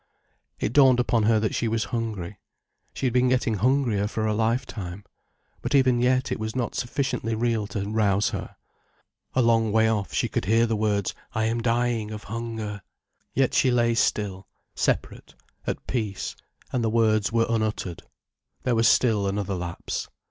It dawned upon her that she was hungry. She had been getting hungrier for a lifetime. But even yet it was not sufficiently real to rouse her. A long way off she could hear the words, "I am dying of hunger." Yet she lay still, separate, at peace, and the words were unuttered. There was still another lapse.